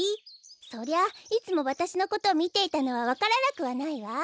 そりゃいつもわたしのことをみていたのはわからなくはないわ。